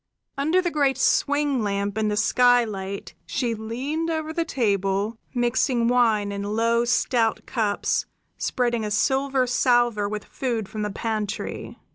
Under the great swing lamp in the skylight she leaned over the table, mixing wine in low, stout cups, spreading a silver salver with food from the pantry.